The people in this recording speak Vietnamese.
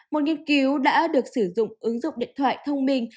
một nghiên cứu đã được sử dụng ứng dụng điện thoại thông minh